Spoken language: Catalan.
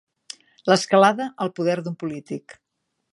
L'escalada al poder d'un polític.